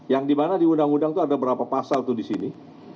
yang dimana di undang undang itu ada berapa pasal tuh di sini